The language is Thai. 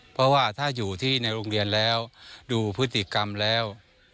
เพราะว่าถ้าอยู่ที่ในโรงเรียนแล้วดูพฤติกรรมแล้ว